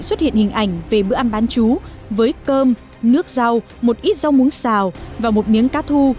xuất hiện hình ảnh về bữa ăn bán chú với cơm nước rau một ít rau muống xào và một miếng cá thu